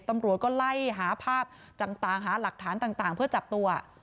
ตำรวจก็ไล่หาภาพต่างหาหลักฐานต่างเพื่อจับตัว